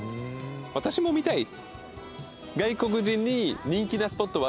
私も見たい！